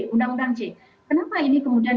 undang undang c kenapa ini kemudian